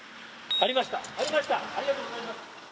ありがとうございます。